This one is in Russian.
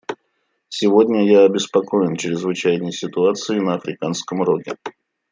Сегодня я обеспокоен чрезвычайной ситуацией на Африканском Роге.